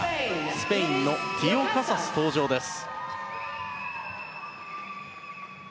スペインのティオカサスが登場です。